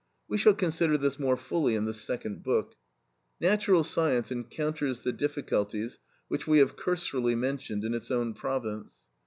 We shall consider this more fully in the second book. Natural science encounters the difficulties which we have cursorily mentioned, in its own province.